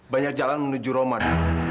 banyak jalan menuju roma do